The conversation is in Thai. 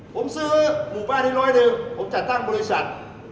ผมซื้อหมู่บ้านนี้ร้อยหนึ่งผมจัดตั้งบริษัท